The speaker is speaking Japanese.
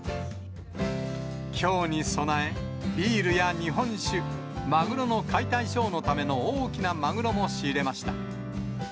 きょうに備え、ビールや日本酒、マグロの解体ショーのための大きなマグロも仕入れました。